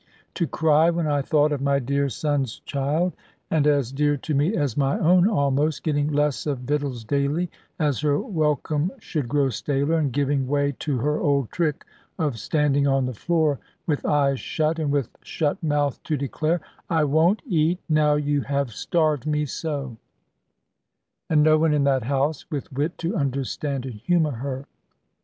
To cry, when I thought of my dear son's child (and as dear to me as my own almost) getting less of victuals daily, as her welcome should grow staler, and giving way to her old trick of standing on the floor with eyes shut, and with shut mouth to declare, "I won't eat, now you have starved me so;" and no one in that house with wit to understand and humour her.